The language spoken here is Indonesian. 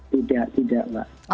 tidak tidak mbak